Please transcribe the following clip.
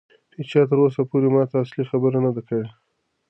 هیچا تر اوسه پورې ماته اصلي خبره نه ده کړې.